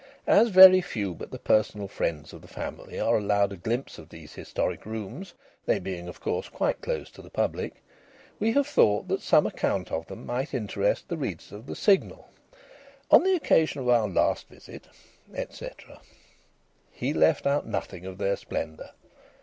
As very few but the personal friends of the family are allowed a glimpse of these historic rooms, they being of course quite closed to the public, we have thought that some account of them might interest the readers of the Signal. On the occasion of our last visit...," etc. He left out nothing of their splendour.